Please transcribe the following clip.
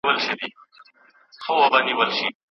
زه به هېڅکله هم تاریخي حقایق پټ نه کړم.